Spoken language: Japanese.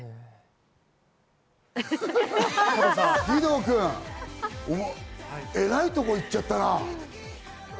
義堂君、えらいところ行っちゃったな。